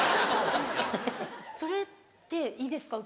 それっていいですか？